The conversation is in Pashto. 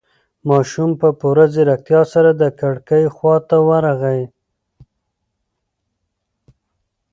ماشوم په پوره ځيرکتیا سره د کړکۍ خواته ورغی.